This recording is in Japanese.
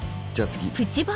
じゃあ次。